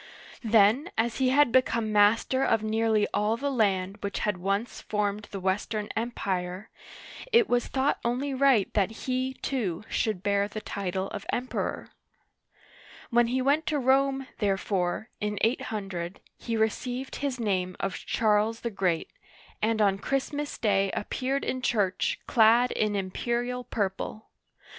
Then as he had become master of nearly all the land which had once formed the Western Empire, it was thought only right that he, too, should bear the title of Emperor. When he went to Rome, therefore, in 800, he received his name of Charles the Great, and on Christmas Day Painting by L^vy. The Coronation of Charlemagne. appeared in church clad in imperial purple.